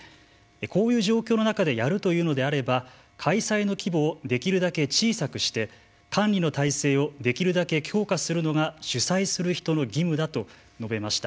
こういう状況の中でやるというのであれば開催の規模をできるだけ小さくして管理の体制をできるだけ強化するのが主催する人の義務だと述べました。